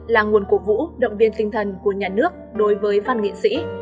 là nguồn cổ vũ động viên tinh thần của nhà nước đối với văn nghệ sĩ